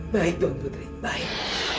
baik tuan putri baik